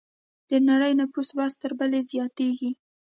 د نړۍ نفوس ورځ تر بلې زیاتېږي.